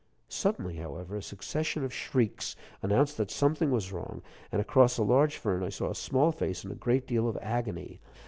Suddenly, however, a succession of shrieks announced that something was wrong, and across a large fern I saw a small face in a great deal of agony.